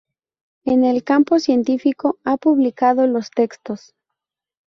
En el campo científico ha publicado los textos